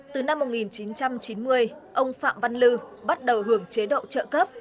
từ năm một nghìn chín trăm chín mươi ông phạm văn lư bắt đầu hưởng chế độ trợ cấp